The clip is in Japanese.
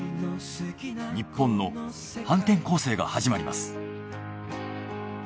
日本の反転攻勢が始まります。